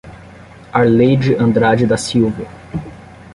Arleide Andrade da Silva